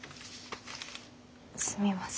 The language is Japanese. すみません。